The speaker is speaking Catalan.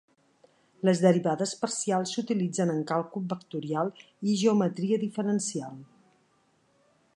Les derivades parcials s'utilitzen en càlcul vectorial i geometria diferencial.